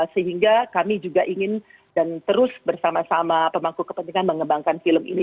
sehingga kami juga ingin dan terus bersama sama pemangku kepentingan mengembangkan film ini